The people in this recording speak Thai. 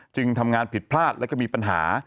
ทำงานผิดพลาดและก็มีปัญหา